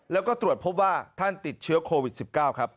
แล้วก็ตรวจพบว่าท่านติดเชื้อโควิด๑๙ครับ